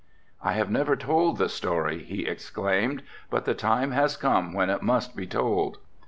"I have never told the story," he exclaimed, "but the time has come when it must be told."